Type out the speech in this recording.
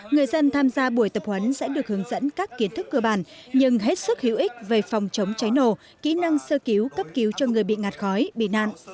người dân tham gia buổi tập huấn sẽ được hướng dẫn các kiến thức cơ bản nhưng hết sức hữu ích về phòng chống cháy nổ kỹ năng sơ cứu cấp cứu cho người bị ngạt khói bị nạn